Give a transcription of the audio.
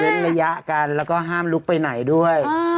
ระยะกันแล้วก็ห้ามลุกไปไหนด้วย